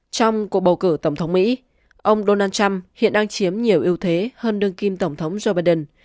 trong cuộc bầu cử tổng thống mỹ ông donald trump hiện đang chiếm nhiều ưu thế hơn đương kim tổng thống joe biden